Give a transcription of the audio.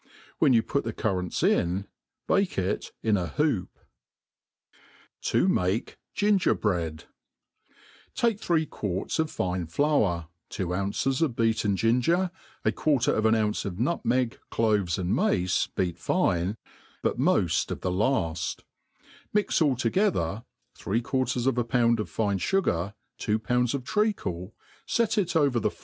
* When j^ou put the currants in, bake it in a hoop* To metke Ginger^Bread, TAKE three quarts of fine flour, two ounces of beaten gin ger, a quarter of an ounce of nutmeg, cloves, and mace beat fine, but muft of the laftj mix all together, three quarters of a pound of fine fugar, two pounds of treacle, fet it over the ''■/ fire. a84 THE ART OF COOKERY .